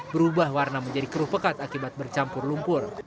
berubah warna menjadi keruh pekat akibat bercampur lumpur